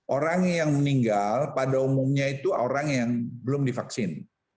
orang yang meninggal pada umumnya itu orang yang belum divaksin